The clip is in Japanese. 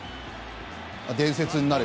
伝説になれ！